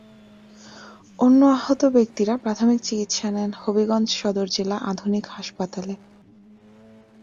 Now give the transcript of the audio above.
অন্য আহত ব্যক্তিরা প্রাথমিক চিকিৎসা নেন হবিগঞ্জ সদর জেলা আধুনিক হাসপাতালে।